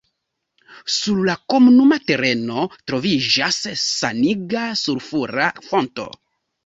Sur la komunuma tereno troviĝas saniga sulfura fonto.